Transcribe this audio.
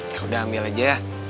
ya udah ambil aja